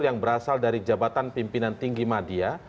yang berasal dari jabatan pimpinan tinggi media